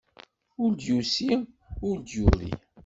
Ur d-yusi ur d-yuri.